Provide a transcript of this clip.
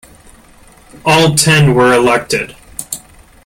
All ten were elected.